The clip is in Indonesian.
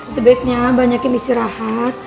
sebaiknya banyakin istirahat